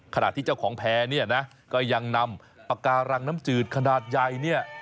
ขณะที่เจ้าของแพร่เนี่ยนะก็ยังนำปากการังน้ำจืดขนาดใหญ่เนี่ย